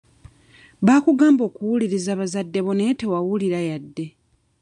Baakugamba okuwuliriza bazadde bo naye tewawulira yadde.